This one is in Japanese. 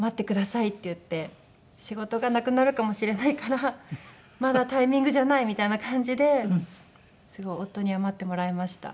仕事がなくなるかもしれないからまだタイミングじゃないみたいな感じですごい夫には待ってもらいました。